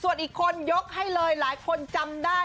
ส่วนอีกคนยกให้เลยหลายคนจำได้